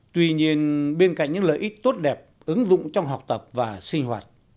tuy nhiên bên cạnh những lợi ích tốt đẹp ứng dụng trong học tập và sinh hoạt